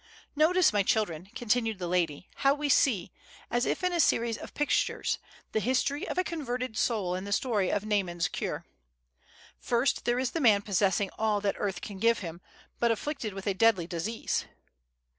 "Notice, my children," continued the lady, "how we see, as if in a series of pictures, the history of a converted soul in the story of Naaman's cure. First there is the man possessing all that earth can give him, but afflicted with a deadly disease."